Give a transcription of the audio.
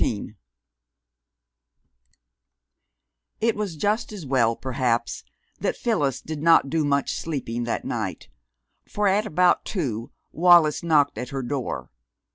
XIV It was just as well, perhaps, that Phyllis did not do much sleeping that night, for at about two Wallis knocked at her door.